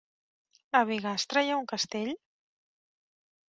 A Bigastre hi ha un castell?